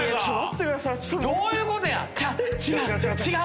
どういうことや⁉違う。